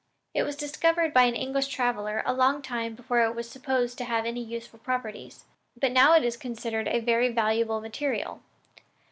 It was discovered by an English traveler a long time before it was supposed to have any useful properties, but now it is considered a very valuable material.